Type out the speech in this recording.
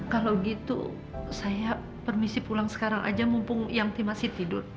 kalau gitu saya permisi pulang sekarang aja mumpung yang masih tidur